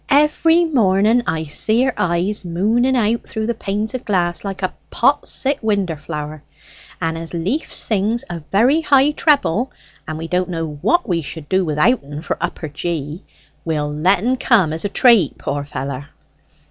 Every morning I see her eyes mooning out through the panes of glass like a pot sick winder flower; and as Leaf sings a very high treble, and we don't know what we should do without en for upper G, we'll let en come as a trate, poor feller."